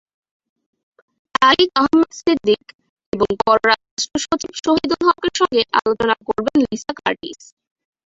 তারিক আহমেদ সিদ্দিক এবং পররাষ্ট্রসচিব শহীদুল হকের সঙ্গে আলোচনা করবেন লিসা কার্টিস।